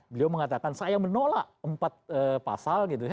beliau mengatakan saya menolak empat pasal gitu ya